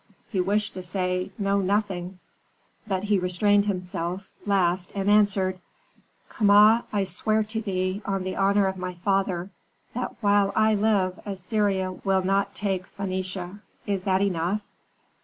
He wished to say, "know nothing," but he restrained himself, laughed, and answered, "Kama, I swear to thee, on the honor of my father, that while I live Assyria will not take Phœnicia. Is that enough?"